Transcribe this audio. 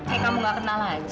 eh kamu nggak kenal aja